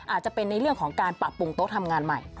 อาจจะเป็นในเรื่องของการปรับปรุงโต๊ะทำงานใหม่